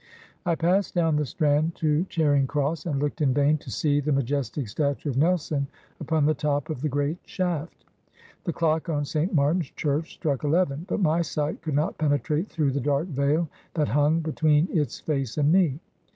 I passed down the Strand to Charing Cross, and looked in vain to see the majestic statue of Nelson upon the top of the great shaft. The clock on St. Martin's church struck eleven, but my sight could not penetrate through the dark veil that hung between its face and me.